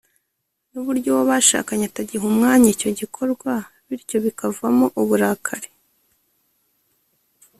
n’uburyo uwo bashakanye atagiha umwanya icyo gikorwa bityo bikavamo uburakari